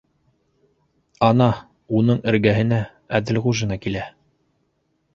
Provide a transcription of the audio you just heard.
Ана, уның эргәһенә Әҙелғужина килә.